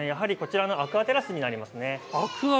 アクアテラスになります。